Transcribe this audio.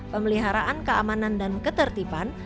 pemeliharaan keamanan dan ketertiban